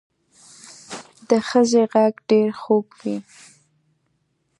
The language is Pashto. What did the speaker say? د ښځې غږ ډېر خوږ وي